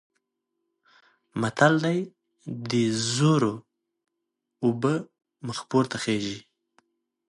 متل دی: د زورو اوبه مخ پورته خیژي.